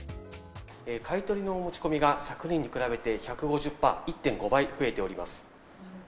買い取りのお持ち込みが昨年に比べて１５０パー、１．５倍増えております。